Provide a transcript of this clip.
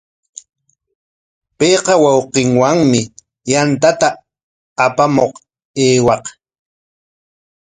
Payqa wawqinwami yantata apamuq aywaq.